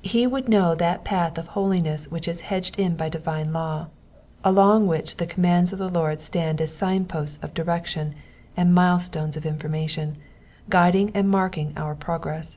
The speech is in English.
He would know that path of holiness which is hedged in by divine law, along which the commands of the Lord stand as sign posts of direction and mile stones of information, guiding and marking our progress.